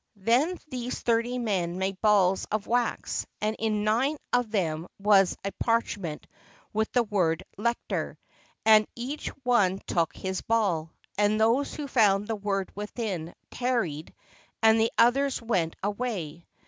Then these thirty men made balls of wax, and in nine of them was a parchment with the word "Lector"; and each one took his ball, and those who found the word within tarried and the others went away.